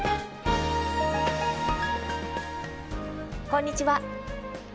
こんにちは。